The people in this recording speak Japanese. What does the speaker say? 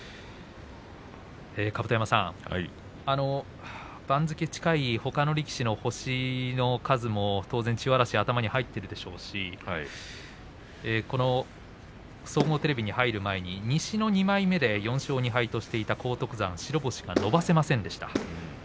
甲山さん、番付近いほかの力士の星の数も当然、千代嵐は頭に入っているでしょうし総合テレビに入る前に西の２枚目で４勝２敗としていた荒篤山、白星を伸ばせませんでした。